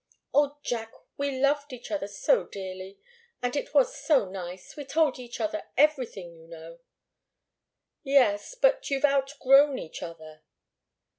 "Oh, Jack! We loved each other so dearly! And it was so nice we told each other everything, you know." "Yes but you've outgrown each other."